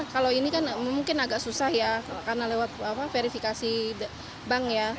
kalau ini kan mungkin agak susah ya karena lewat verifikasi bank ya